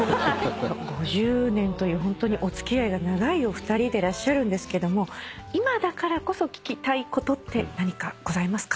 ５０年というホントにお付き合いが長いお二人でいらっしゃるんですけども今だからこそ聞きたいことって何かございますか？